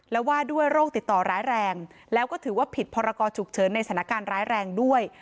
และว่าด้วยโรคติดต่อร้ายแรงแล้วก็ถือว่าผิดพรกรฉุกเฉินในสถานการณ์ร้ายแรงด้วย